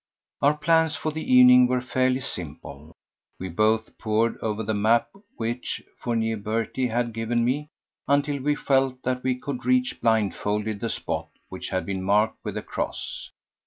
Our plans for the evening were fairly simple. We both pored over the map which Fournier Berty had given me, until we felt that we could reach blindfolded the spot which had been marked with a cross.